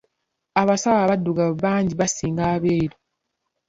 Abasawo abaddugavu bangi basinga abeeru.